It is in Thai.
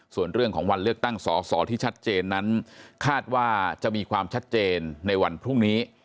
ส่วนเรื่องของวันเลือกตั้งสอสอที่ชัดเจนนั้นคาดว่าจะมีความชัดเจนในวันพรุ่งนี้